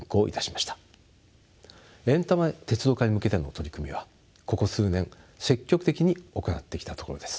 エンタメ鉄道化に向けての取り組みはここ数年積極的に行ってきたところです。